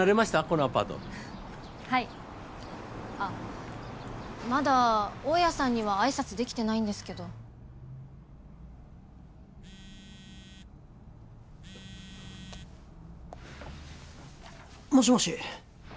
このアパートはいあっまだ大家さんには挨拶できてないんですけどもしもし？